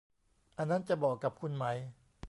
อันนั้นจะเหมาะกับคุณไหม